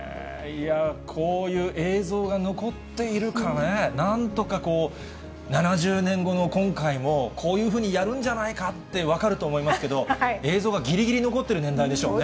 こういう映像が残っているからね、なんとかこう、７０年後の今回もこういうふうにやるんじゃないかというふうに分かりますけど、映像がぎりぎり残ってる年代でしょうね。